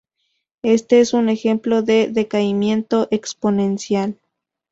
Este es un ejemplo de decaimiento exponencial.